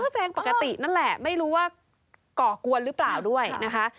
แซงปกตินั่นแหละไม่รู้ว่าก่อกวนหรือเปล่าด้วยนะคะ